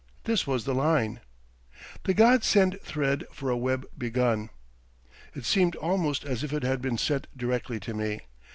This was the line: "The gods send thread for a web begun." It seemed almost as if it had been sent directly to me.